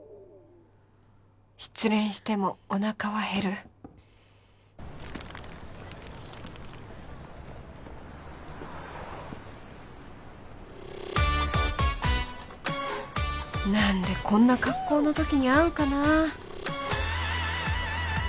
失恋してもおなかは減る何でこんな格好のときに会うかな